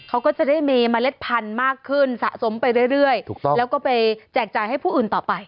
เขาก็จะได้มีเมล็ดพันธุ์มากขึ้นสะสมไปเรื่อยถูกต้องแล้วก็ไปแจกจ่ายให้ผู้อื่นต่อไป